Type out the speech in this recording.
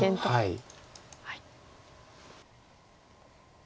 はい。